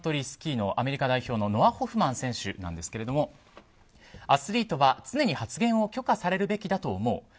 スキーのアメリカ代表のノア・ホフマン選手ですがアスリートは常に発言を許可されるべきだと思う。